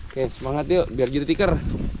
oke semangat yuk biar jadi tikar